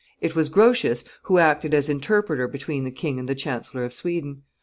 It was Grotius who acted as interpreter between the king and the chancellor of Sweden.